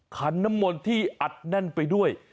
ขันน้ำมนต์ที่อัดแน่นไปด้วย